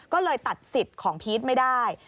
ก็เลยตัดสิทธิ์ของพีชไม่ได้